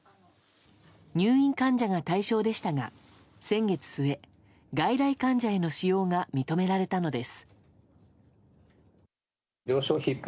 入院患者が対象でしたが先月末外来患者への使用が認められたのです。